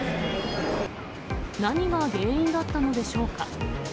何が原因だったのでしょうか。